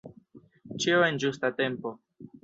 Ĉio en ĝusta tempo.